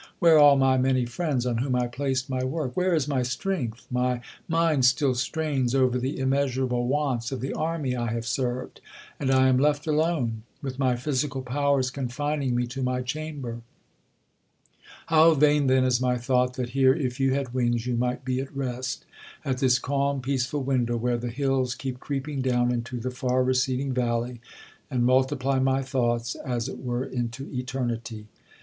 where all my many friends on whom I placed my work? where is my strength? My mind still strains over the immeasurable wants of the Army I have served, and I am left alone, with my physical powers confining me to my chamber." How vain then is my thought that here, if you had wings, you might be at rest at this calm peaceful window where the hills keep creeping down into the far receding valley and multiply my thoughts as it were into Eternity.